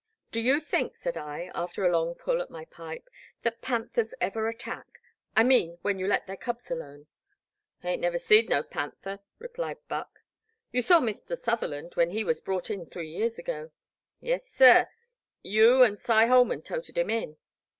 Do you think," said I, after a long pull at my pipe, that panthers ever attack? I mean, when you let their cubs alone." Hain't never seed no panther," replied Buck. You saw Mr. Sutherland when he was brought in three years ago." Yes sir — you and Cy Holman toted him in."